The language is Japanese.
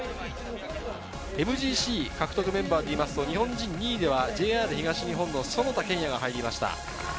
ＭＧＣ獲得メンバーでいうと日本人２位ではＪＲ東日本の其田健也が入りました。